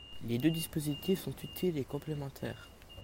Les deux dispositifs sont utiles et complémentaires.